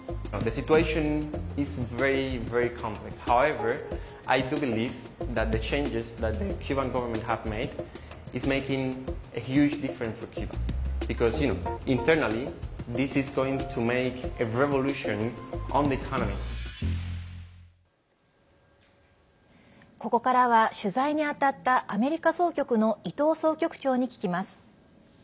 ここからは取材に当たったアメリカ総局の伊藤総局長に聞きます。